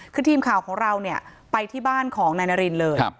คือทีมข่าวของเราเนี่ยไปที่บ้านของนายนารินเลย